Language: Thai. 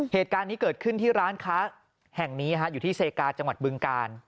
เหตุการณ์นี้เกิดขึ้นที่ร้านค้าแห่งนี้อยู่ที่เซกาจังหวัดบึงกาล